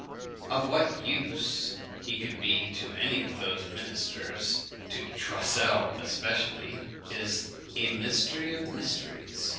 Of what use he could be to any of those ministers, and to Choiseul especially, is a mystery of mysteries.